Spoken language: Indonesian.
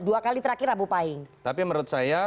dua kali terakhir rabu pahing tapi menurut saya